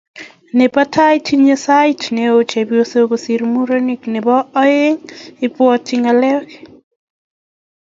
Nebo tai, tinyee sait neo chepyosok kosir murenik. Nebo aeng, ibwati ngalek